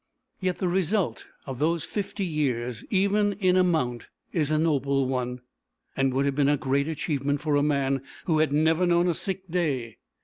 Yet the result of those fifty years, even in amount, is a noble one, and would have been great achievement for a man who had never known a sick day.